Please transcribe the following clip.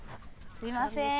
すいません